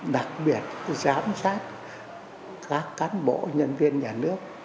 đặc biệt giám sát các cán bộ nhân viên nhà nước